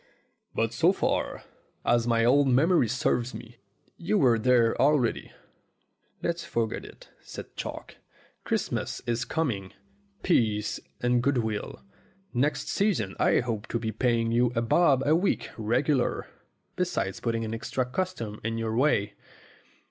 "But so far as my old memory serves me, you were there already." "Let's forget it," said Chalk. "Christmas is com ing. Peace and good will. Next season I hope to be paying you a bob a week regular, besides putting extra custom in your way."